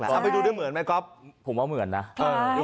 เอาไปดูได้เหมือนไหมก๊อฟผมว่าเหมือนนะ